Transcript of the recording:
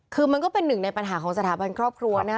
คือมันก็เป็นหนึ่งในปัญหาของสถาบันครอบครัวนะ